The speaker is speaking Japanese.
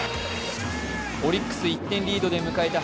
オリックス１点リードで迎えた